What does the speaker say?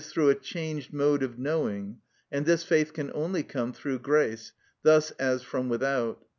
_, through a changed mode of knowing, and this faith can only come through grace, thus as from without.